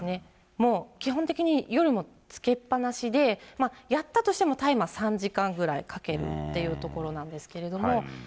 もう、基本的に夜もつけっぱなしで、やったとしてもタイマー３時間ぐらいかけるっていうところなんですけれども。